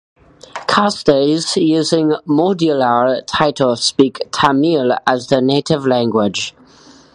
Castes using Mudaliar title speak Tamil as their native language.